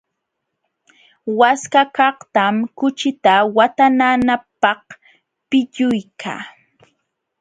Waskakaqtam kuchita watananapaq pilluyka.